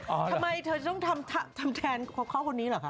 ทำไมเธอจะต้องทำแทนครอบครอบคนนี้หรือคะ